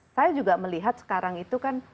saya juga melihat sekarang itu kan